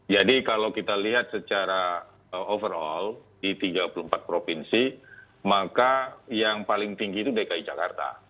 jadi kalau kita lihat secara overall di tiga puluh empat provinsi maka yang paling tinggi itu dki jakarta